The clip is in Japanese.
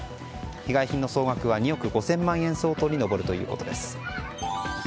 被害品の総額は２億５０００万円相当に上るということです。